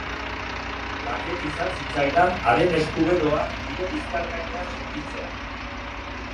Laket izan zitzaidan haren esku beroa nire bizkar gainean sentitzea.